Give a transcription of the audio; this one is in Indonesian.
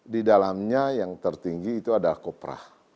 di dalamnya yang tertinggi itu adalah kopra